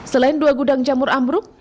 selain dua gudang jamur ambruk